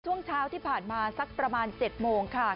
ช่วงเช้าที่ผ่านมาสักประมาณ๗โมงค่ะ